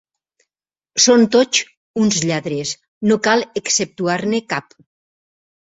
Són tots uns lladres: no cal exceptuar-ne cap!